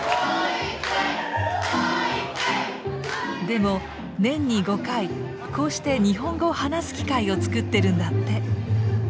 でも年に５回こうして日本語を話す機会を作ってるんだって。